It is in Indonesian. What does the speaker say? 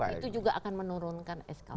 itu juga akan menurunkan eskalasi